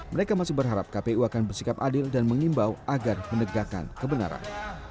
mereka masih berharap kpu akan bersikap adil dan mengimbau agar menegakkan kebenaran